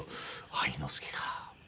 愛之助か。